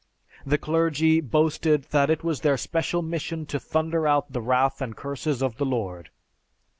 The clergy boasted that it was their special mission to thunder out the wrath and curses of the Lord.